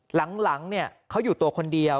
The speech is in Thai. หลังเขาอยู่ตัวคนเดียว